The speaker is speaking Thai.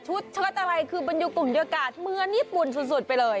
ถูกบรรยาชสัตว์เลยคือมันอยู่ก์คุณเยาะกาลเมืองญี่ปุ่นสุดไปเลย